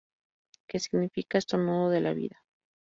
Que significa 'estornudo de la vida'.